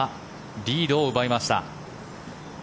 リードを奪いました。